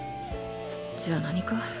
じゃあ何か？